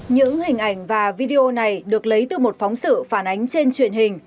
những hình ảnh và video này được lấy từ một phóng sự phản ánh trên truyền hình